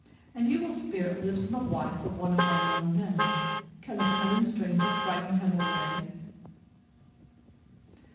An evil spirit lives in the wife of one of my young men. Can the cunning stranger frighten him away?"